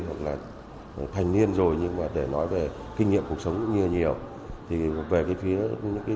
hoặc là thành niên rồi nhưng mà để nói về kinh nghiệm cuộc sống cũng nhiều nhiều